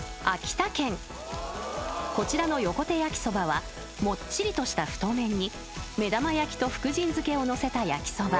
［こちらの横手焼きそばはもっちりとした太麺に目玉焼きと福神漬けをのせた焼きそば］